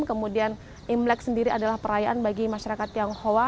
kemudian imlek sendiri adalah perayaan bagi masyarakat tionghoa